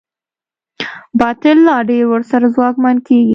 باطل لا ډېر ورسره ځواکمن کېږي.